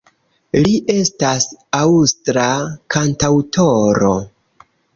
Li estas aŭstra kantaŭtoro.